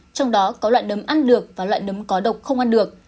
trong đó có loại nấm ăn được và loại nấm có độc không ăn được